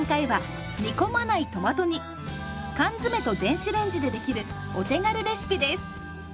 缶詰と電子レンジで出来るお手軽レシピです。